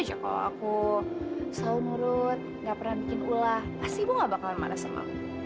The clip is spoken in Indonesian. joklo aku seluruhnya pernah bikin ulah pasti gua nggak bakalan marah sama